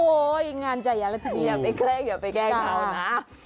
โอ้ยงานใหญ่แล้วอย่าไปแกล้งอย่าไปแกล้งเขานะ